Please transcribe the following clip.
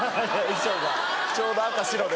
衣装がちょうど赤白で。